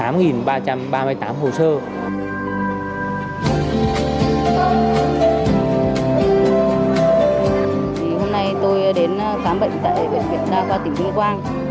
hôm nay tôi đến khám bệnh tại bệnh viện đa khoa tỉnh tuyên quang